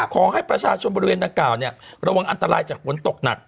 ขอให้ประชาชนบริเวณดังกล่าวระวังอันตรายจากฝนตกหนัก